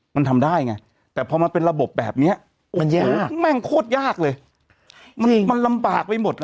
มันทำได้ไงแต่พอมันเป็นระบบแบบเนี้ยมันยากแม่งโคตรยากเลยมันมันลำบากไปหมดอ่ะ